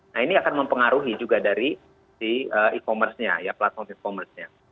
nah ini akan mempengaruhi juga dari si e commerce nya ya platform e commerce nya